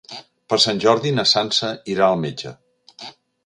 Per Sant Jordi na Sança irà al metge.